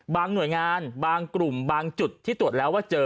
หน่วยงานบางกลุ่มบางจุดที่ตรวจแล้วว่าเจอ